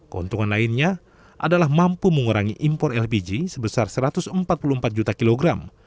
keuntungan lainnya adalah mampu mengurangi impor lpg sebesar satu ratus empat puluh empat juta kilogram